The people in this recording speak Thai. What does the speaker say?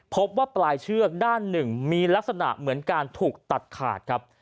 พบว่าปลายเชือกด้านหนึ่งมีลักษณะเหมือนการถูกตัดขาดครับ